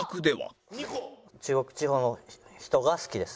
中国地方の人が好きです。